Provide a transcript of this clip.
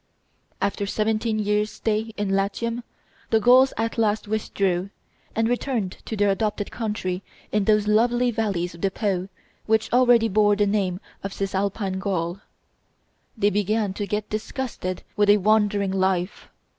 After seventeen years' stay in Latium, the Gauls at last withdrew, and returned to their adopted country in those lovely valleys of the Po which already bore the name of Cisalpine Gaul. They began to get disgusted with a wandering life.